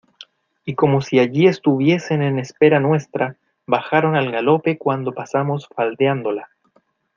y como si allí estuviesen en espera nuestra, bajaron al galope cuando pasamos faldeándola.